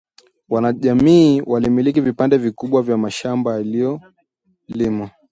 wanajamii walimiliki vipande vikubwa vya mashamba yaliyolimwa